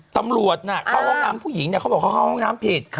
ตำรวจเข้าห้องน้ำผู้หญิงเนี่ยเขาบอกเขาเข้าห้องน้ำผิด